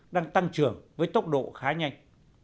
đang tăng trưởng với tốc độ khá nhanh